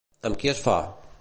Amb qui es fa?